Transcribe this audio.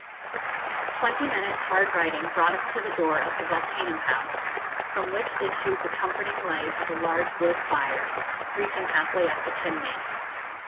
Twenty minutes' hard riding brought us to the door of the 'Volcano House,' from which issued the comforting light of a large wood fire, reaching halfway up the chimney.